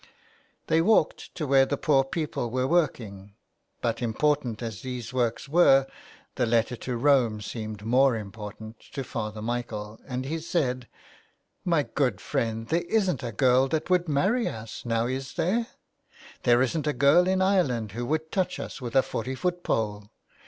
They walked to where the poor people were work ing, but important as these works were the letter to Rome seemed more important to Father Michael, and he said :—'' My good friend, there isn't a girl that would marry us ; now is there? There isn't a girl in Ireland who would touch us with a forty foot pole.